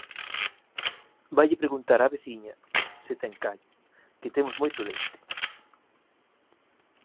Vaille preguntar á veciña se ten callo, que temos moito leite